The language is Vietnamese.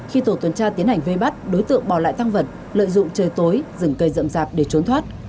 khi tổ tuần tra tiến hành vê bắt đối tượng bỏ lại thang vật lợi dụng trời tối dừng cây rậm rạp để trốn thoát